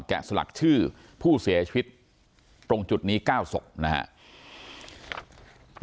แกะสลักชื่อผู้เสียชีวิตตรงจุดนี้เก้าศพนะฮะ